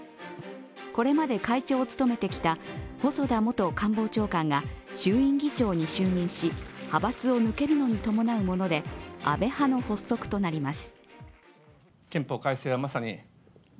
これまで会長を務めてきた細田元官房長官が衆院議長に就任し、派閥を抜けるのに伴うもので、安倍派の発足となります。